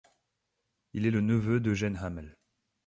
Il est le neveu d'Eugène Hamel.